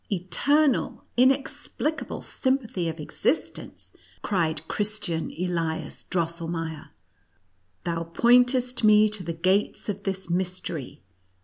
eternal, inexplicable sympathy of existence !" cried Christian Elias Drosselmeier. " Thou pointest me to the gates of this mystery.